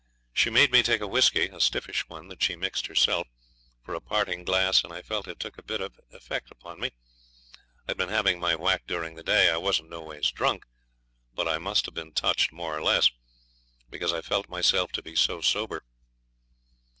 She made me take a whisky a stiffish one that she mixed herself for a parting glass, and I felt it took a bit of effect upon me. I'd been having my whack during the day. I wasn't no ways drunk; but I must have been touched more or less, because I felt myself to be so sober.